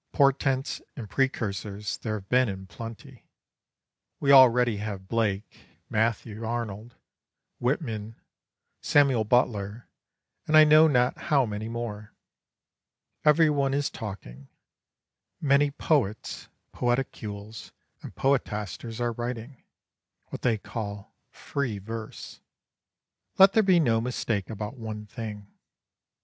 Portents and precursors there have been in plenty. We already have Blake, Matthew Arnold, Whitman, Samuel Butler, and I know not how many more. Every one is talking many poets, poeticules, and poetasters are writing what they call "free verse." Let there be no mistake about one thing.